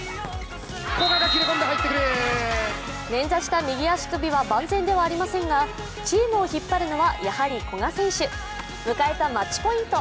捻挫した右足首は万全ではありませんがチームを引っ張るのは、やはり古賀選手。迎えたマッチポイント。